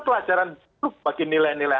pelajaran grup bagi nilai nilai